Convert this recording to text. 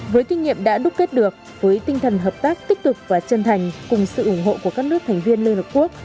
với kinh nghiệm đã đúc kết được với tinh thần hợp tác tích cực và chân thành cùng sự ủng hộ của các nước thành viên liên hợp quốc